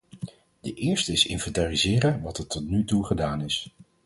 De eerste is inventariseren wat er tot nu toe gedaan is.